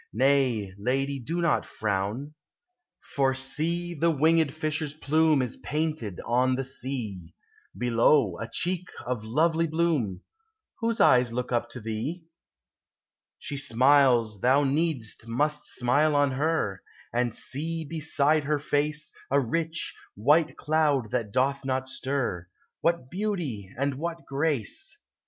Nay, lady, do not frown ; 1U POEMS OF XATURJb. For, see, the winged fisher's plume Is painted on the sea ; Below, a cheek of lovely bloom. Whose eves look up to thee? She smiles; thou need'st must smile on her. And see, beside her face, A rich, white cloud that doth not stir: What beauty, and what grace!